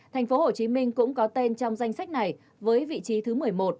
thành phố hồ chí minh cũng có tên trong danh sách này với vị trí thứ một mươi một